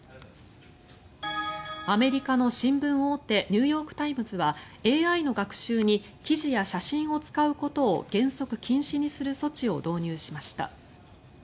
アメリカの新聞大手ニューヨーク・タイムズはＡＩの学習に記事や写真を使うことを原則禁止にする措置を導入しました。